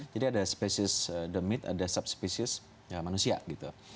jadi ada species the myth ada subspecies manusia gitu